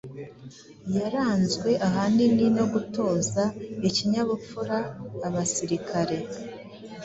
yaranzwe ahanini no gutoza ikinyabupfura abasirikare,